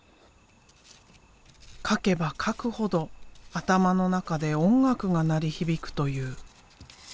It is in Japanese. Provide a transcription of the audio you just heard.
描けば描くほど頭の中で音楽が鳴り響くという。